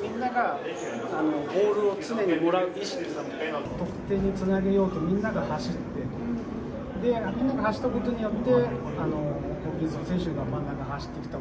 みんながボールを常にもらう意識、得点につなげようとみんなが走って、走ったことによって、ホーキンソン選手が真ん中走ってきた。